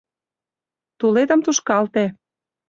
Тулетым тушкалте.